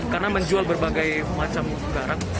karena menjual berbagai macam garam